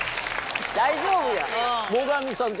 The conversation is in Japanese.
大丈夫や。